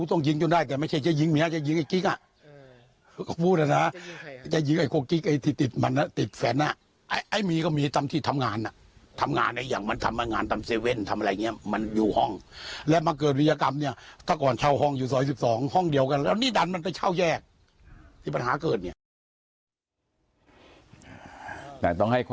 ท่านผู้ชมครับห้องที่เกิดเหตุอยู่ในพื้นที่ตำบลภัฒนานิคตรวจต่างให่